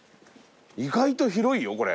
意外と広いよこれ。